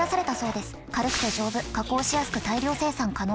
軽くて丈夫加工しやすく大量生産可能。